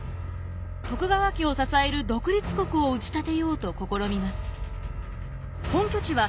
徳川家を支える独立国を打ち立てようと試みます。